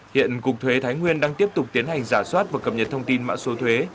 hiện cục thuế thái nguyên đang tiếp tục tiến hành giả soát và cập nhật thông tin mã số thuế